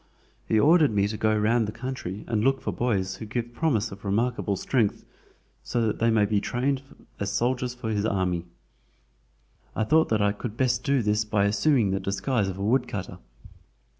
He ordered me to go round the country and look for boys who give promise of remarkable strength, so that they may be trained as soldiers for his army. I thought that I could best do this by assuming the disguise of a woodcutter.